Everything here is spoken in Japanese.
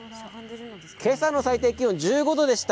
今朝の最低気温１５度でした。